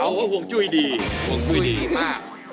หัวเขาโหค่นฮูนท์จุ้วยดีมาก